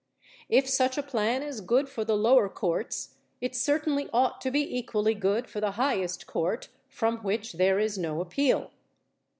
If such a plan is good for the lower courts it certainly ought to be equally good for the highest court from which there is no appeal.